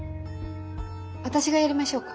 私がやりましょうか。